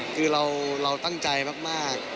คือเราตั้งใจมาก